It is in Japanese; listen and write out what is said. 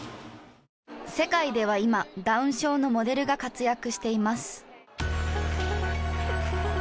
世界では今ダウン症のモデルが活躍しています。